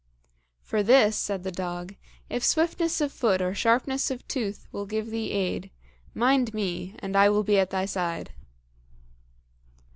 "For this," said the dog, "if swiftness of foot or sharpness of tooth will give thee aid, mind me, and I will be at thy side."